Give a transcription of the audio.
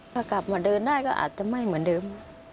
ถ้ากลับมาเดินได้ก็อาจจะไม่เหมือนเดิม